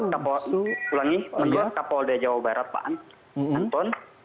menurut kapol jawa barat pak anton